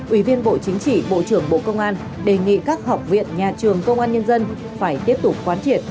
ủy viên bộ chính trị bộ trưởng bộ công an đề nghị các học viện nhà trường công an nhân dân phải tiếp tục quán triệt